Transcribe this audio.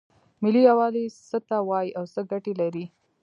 ملي یووالی څه ته وایې او څه ګټې لري؟